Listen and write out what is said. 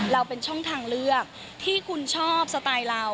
เราเป็นช่องทางเลือกที่คุณชอบสไตล์เรา